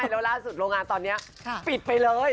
แล้วล่าสุดโรงงานตอนนี้ปิดไปเลย